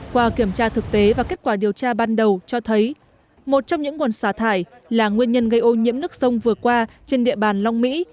qua kiểm tra thực tế và kết quả điều tra ban đầu cho thấy một trong những nguồn xả thải là nguyên nhân gây ô nhiễm nước sông vừa qua trên địa bàn long mỹ